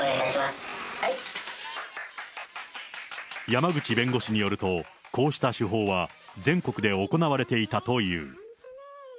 山口弁護士によると、こうした手法は全国で行われていたという。